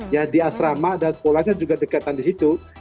ya di asrama dan sekolahnya juga dekatan di situ